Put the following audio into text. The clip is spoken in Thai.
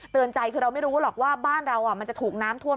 ใจคือเราไม่รู้หรอกว่าบ้านเรามันจะถูกน้ำท่วม